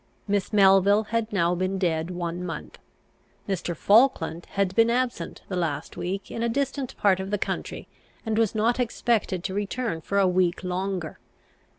Miss Melville had now been dead one month. Mr. Falkland had been absent the last week in a distant part of the country, and was not expected to return for a week longer.